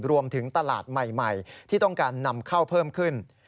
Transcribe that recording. รวมถึงตลาดใหม่ที่ต้องการนำเข้าเพิ่มขึ้น